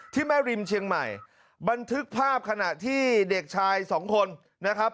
แม่ริมเชียงใหม่บันทึกภาพขณะที่เด็กชายสองคนนะครับ